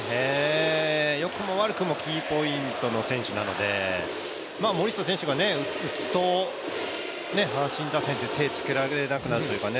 良くも悪くもキーポイントの選手なので森下選手が打つと阪神打線って手がつけられなくなるというかね。